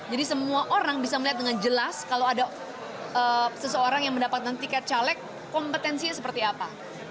jadi semua orang bisa melihat dengan jelas kalau ada seseorang yang mendapatkan tiket caleg kompetensinya seperti apa